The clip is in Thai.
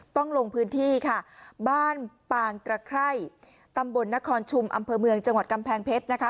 ต้องลงพื้นที่ค่ะบ้านปางตระไคร่ตำบลนครชุมอำเภอเมืองจังหวัดกำแพงเพชรนะคะ